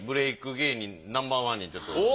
芸人ナンバーワンにちょっと。